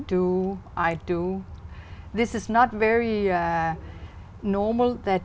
tôi muốn hỏi về món ăn đan hàn